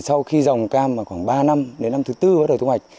sau khi dòng cam khoảng ba năm đến năm thứ tư bắt đầu thu hoạch